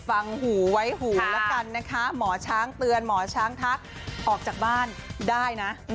ฟังหูไว้หูแล้วกันนะคะหมอช้างเตือนหมอช้างทักออกจากบ้านได้นะ